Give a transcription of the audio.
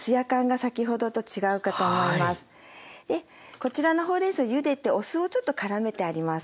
こちらのほうれんそうゆでてお酢をちょっとからめてあります。